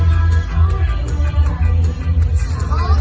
มันเป็นเมื่อไหร่แล้ว